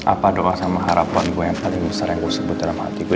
apa doa sama harapan gue yang paling besar yang gue sebut dalam hati gue